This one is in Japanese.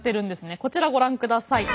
こちらをご覧ください。